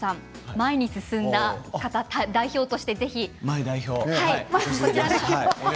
前に進んだ方代表としてぜひ。